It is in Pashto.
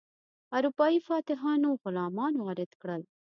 اروپایي فاتحانو غلامان وارد کړل.